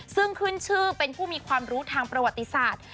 ซึ่งขึ้นชื่อเป็นผู้มีความรู้ทางประวัติศาสตร์